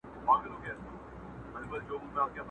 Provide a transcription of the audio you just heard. چي د ارزو غوټۍ مي څرنګه خزانه سوله،